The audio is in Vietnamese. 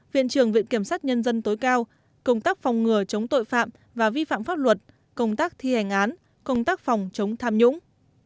viện trưởng viện kiểm sát nhân dân tối cao công tác phòng ngừa chống tội phạm và vi phạm pháp luật công tác thi hành án công tác phòng chống tham nhũng